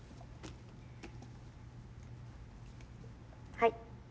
はい。